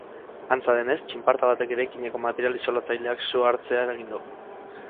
Antza denez, txinparta batek eraikineko material isolatzaileak sua hartzea eragin du.